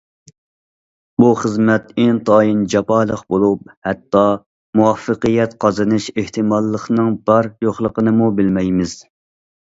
بۇ خىزمەت ئىنتايىن جاپالىق بولۇپ، ھەتتا مۇۋەپپەقىيەت قازىنىش ئېھتىماللىقىنىڭ بار يوقلۇقىنىمۇ بىلمەيمىز.